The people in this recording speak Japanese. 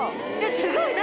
すごい！何？